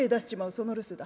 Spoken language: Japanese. その留守だ。